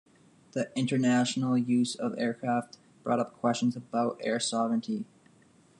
The international use of aircraft brought up questions about air sovereignty.